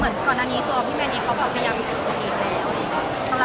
เมื่อก่อนอันนี้พี่แมนกันก็คิดพวกตัวเองแล้ว